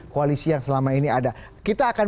koalisi yang selama ini ada kita akan